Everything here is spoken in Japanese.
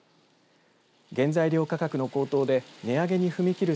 原材料価格の高騰で値上げに踏み切る